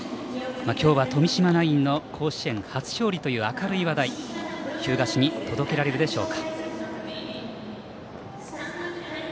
今日は富島ナインの甲子園初勝利という明るい話題を日向市に届けられるでしょうか。